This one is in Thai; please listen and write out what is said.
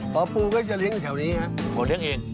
พอปูก็จะเลี้ยงแถวนี้ครับผมเลี้ยงเอง